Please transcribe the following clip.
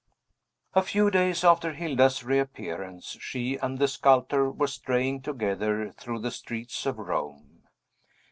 A few days after Hilda's reappearance, she and the sculptor were straying together through the streets of Rome.